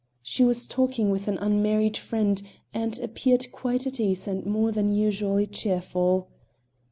She was talking with an unmarried friend and appeared quite at ease and more than usually cheerful.